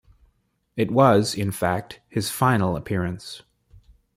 It was, in fact, his final appearance.